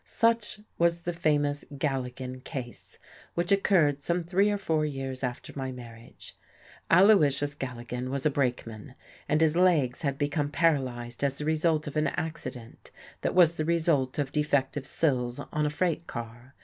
Such was the famous Galligan case, which occurred some three or four years after my marriage. Aloysius Galligan was a brakeman, and his legs had become paralyzed as the result of an accident that was the result of defective sills on a freight car.